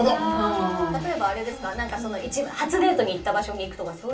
例えば初デートに行った場所に行くとかですか？